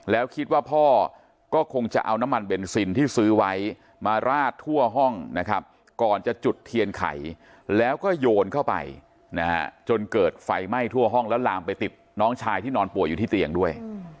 แล้วคิดว่าพ่อก็คงจะเอาน้ำมันเบนซินที่ซื้อไว้มาราดทั่วห้องนะครับก่อนจะจุดเทียนไข่แล้วก็โยนเข้าไปนะฮะจนเกิดไฟไหม้ทั่วห้องแล้วลามไปติดน้องชายที่นอนป่วยอยู่ที่เตียงด้วย